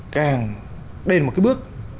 càng đền một cái bước